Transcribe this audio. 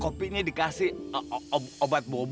kopinya dikasih obat bobo kali ya